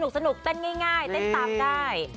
สนุกเต้นง่ายเต้นตามได้